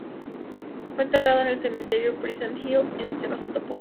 Fue enterrado en el Cementerio Pleasant Hill, en Sebastopol.